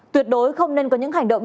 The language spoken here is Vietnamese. tuyệt đối không nên có những hành động